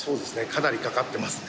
かなりかかってますね